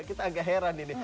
kita agak heran ini